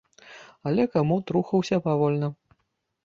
Але камод рухаўся павольна.